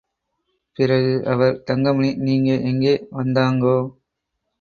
பிறகு அவர் தங்கமணி, நீங்க எங்கே வந்தாங்கோ?